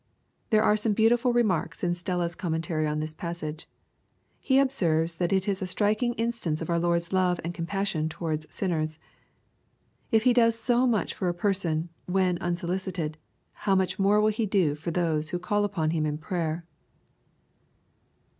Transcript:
There are some beautiful remarks in Stella's comnwntary on this passage. He observes that it is a striking instance of our Lord's love and compassion towards sinnera. If he does so much for a person, when unsolicited, how much more will he do for those who call upon him in prayer.